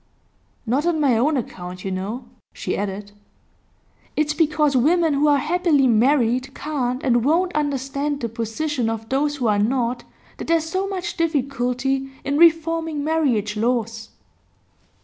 'Not on my own account, you know,' she added. 'It's because women who are happily married can't and won't understand the position of those who are not that there's so much difficulty in reforming marriage laws.